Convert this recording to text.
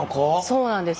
そうなんです。